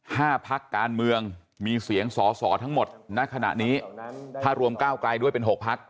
พักการเมืองมีเสียงสอสอทั้งหมดณขณะนี้ถ้ารวมก้าวไกลด้วยเป็นหกพัก